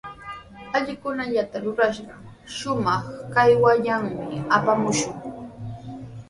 Allikunallata rurashqa, shumaq kawaymanmi apamaashun.